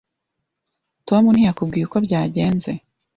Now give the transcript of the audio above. Tom ntiyakubwiye uko byagenze?